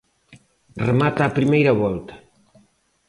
Remata a primeira volta.